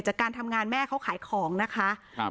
จากการทำงานแม่เขาขายของนะคะครับ